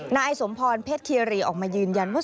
นายสมพรเพชรคีรีออกมายืนยันว่า